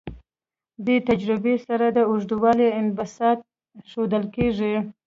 دې تجربې سره د اوږدوالي انبساط ښودل کیږي.